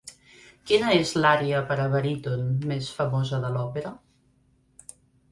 Quina és l'ària per a baríton més famosa de l'òpera?